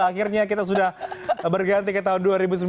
akhirnya kita sudah berganti ke tahun dua ribu sembilan belas